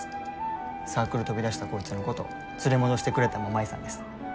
サークル飛び出したこいつのこと連れ戻してくれたんも舞さんです。